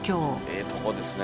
ええとこですね